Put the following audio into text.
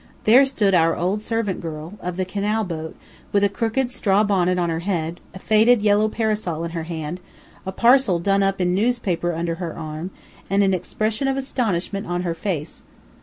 There stood our old servant girl, of the canal boat, with a crooked straw bonnet on her head, a faded yellow parasol in her hand, a parcel done up in newspaper under her arm, and an expression of astonishment on her face.